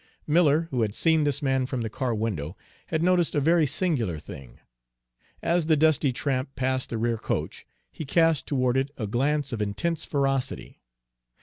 Miller, who had seen this man from the car window, had noticed a very singular thing. As the dusty tramp passed the rear coach, he cast toward it a glance of intense ferocity.